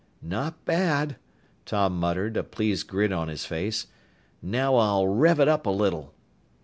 "Not bad," Tom muttered, a pleased grin on his face. "Now I'll rev it up a little."